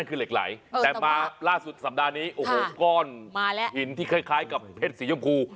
คือเหล็กไหลแต่มาล่าสุดสัปดาห์นี้โอ้โหก้อนหินที่คล้ายกับเพชรสีชมพู